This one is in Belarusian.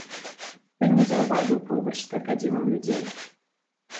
Ён не заўважыў побач з кракадзілам людзей.